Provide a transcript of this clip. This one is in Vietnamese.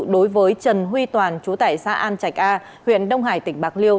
đối với trần huy toàn chú tải xã an trạch a huyện đông hải tỉnh bạc liêu